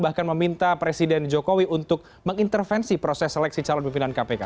bahkan meminta presiden jokowi untuk mengintervensi proses seleksi calon pimpinan kpk